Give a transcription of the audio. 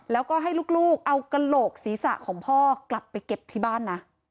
แล้วก็ให้ลูกเอากระโหลกศีรษะของพ่อกลับไปเก็บที่บ้านนะ